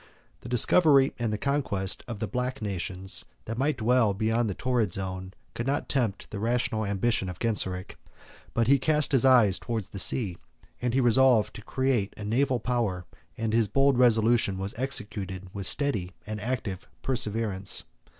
The discovery and conquest of the Black nations, that might dwell beneath the torrid zone, could not tempt the rational ambition of Genseric; but he cast his eyes towards the sea; he resolved to create a naval power, and his bold resolution was executed with steady and active perseverance.